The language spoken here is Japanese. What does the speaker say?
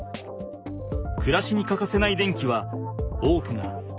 くらしにかかせない電気は多くが火力発電。